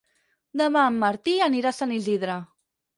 Demà en Martí anirà a Sant Isidre.